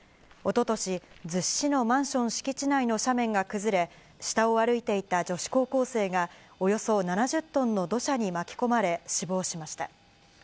おととし、逗子市のマンション敷地内の斜面が崩れ、下を歩いていた女子高校生が、およそ７０トンの土砂に巻き込まれ、死亡しました。